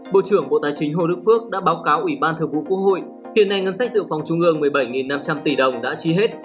bộ trưởng bộ tài chính hồ đức phước đã báo cáo ủy ban thường vụ quốc hội hiện nay ngân sách dự phòng trung ương một mươi bảy năm trăm linh tỷ đồng đã chi hết